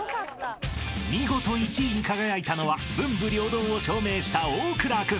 ［見事１位に輝いたのは文武両道を証明した大倉君］